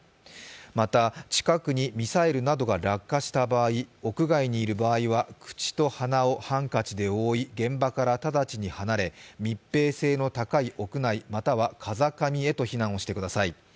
また、近くにミサイルなどが落下した場合屋外にいる場合は口と鼻をハンカチで覆い現場からただちに離れ、密閉性の高い屋内、または風上へと避難をしてください。